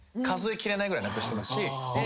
数え切れないぐらいなくしてますし。